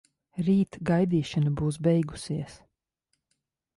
Rīt gaidīšana būs beigusies.